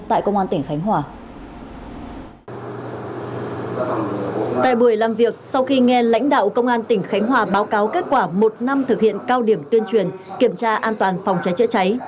tại buổi làm việc sau khi nghe lãnh đạo công an tỉnh khánh hòa báo cáo kết quả một năm thực hiện cao điểm tuyên truyền kiểm tra an toàn phòng cháy chữa cháy